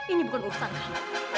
ini bukan urusan